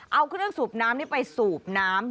เอาเครื่องสูบน้ำนี้ไปสูบน้ำ